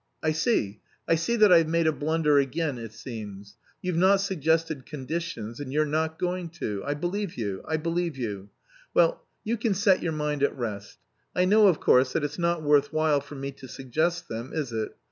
I see, I see that I've made a blunder again, it seems; you've not suggested conditions and you're not going to; I believe you, I believe you; well, you can set your mind at rest; I know, of course, that it's not worth while for me to suggest them, is it?